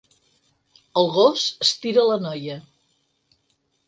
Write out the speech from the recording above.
El gos estira la noia.